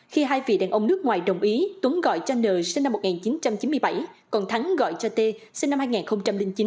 khi hai vị đàn ông nước ngoài đồng ý tuấn gọi cho n sinh năm một nghìn chín trăm chín mươi bảy còn thắng gọi cho tê sinh năm hai nghìn chín